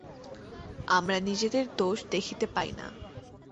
আমরা নিজেদের দোষ দেখিতে পাই না।